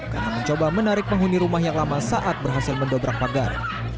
karena mencoba menarik penghuni rumah yang lama saat berhasil mendobrak pagar